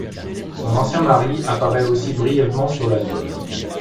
Son ancien mari apparaît aussi brièvement sur l'album.